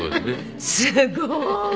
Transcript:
すごーい。